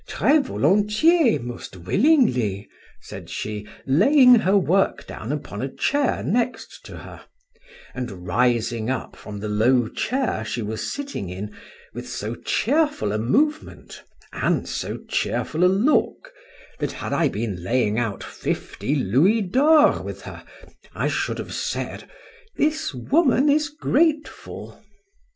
—Très volontiers, most willingly, said she, laying her work down upon a chair next her, and rising up from the low chair she was sitting in, with so cheerful a movement, and so cheerful a look, that had I been laying out fifty louis d'ors with her, I should have said—"This woman is grateful."